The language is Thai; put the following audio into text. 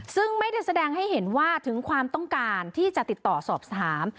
ซึ่งไม่ได้แสดงให้เห็นว่าถึงความต้องการที่จะติดต่อสอบถาม